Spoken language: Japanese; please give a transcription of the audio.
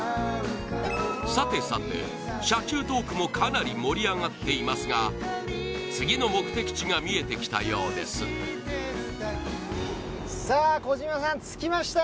さてさて車中トークもかなり盛り上がっていますが次の目的地が見えてきたようですあっ